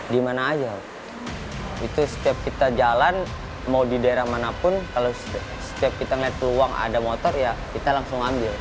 dimana aja itu setiap kita jalan mau di daerah manapun kalau setiap kita melihat peluang ada motor ya kita langsung ambil